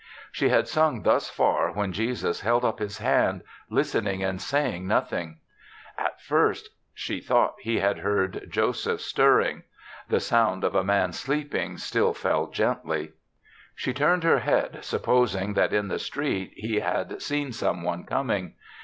She had sung thus far when Jesus held up his hand, listening and say ing nothing. At first she thought he had heard Joseph stirring; the 50 THE SEVENTH CHRISTMAS sound of a man sleeping still fell gently. She turned her head, sup posing that in the street he had seen some one coming.